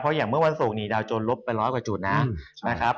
เพราะอย่างเมื่อวันศูกร์นีดาวจนลบไป๑๐๐จุดนะครับ